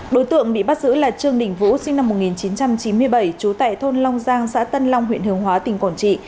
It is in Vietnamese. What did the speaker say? đối tượng bị bắt giữ là trương đình vũ sinh năm một nghìn chín trăm chín mươi bảy trú tại thôn long giang xã tân long huyện hướng hóa tỉnh quảng trị